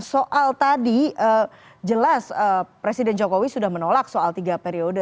soal tadi jelas presiden jokowi sudah menolak soal tiga periode